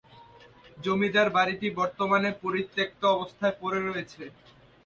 জমিদার বাড়িটি বর্তমানে পরিত্যক্ত অবস্থায় পড়ে রয়েছে।